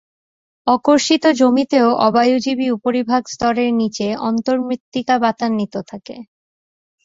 অকর্ষিত জমিতেও অবায়ুজীবী উপরিভাগ স্তরের নিচে অন্তর্মৃত্তিকা বাতান্বিত থাকে।